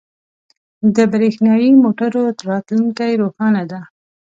• د برېښنايی موټرو راتلونکې روښانه ده.